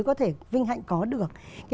có thể vinh hạnh có được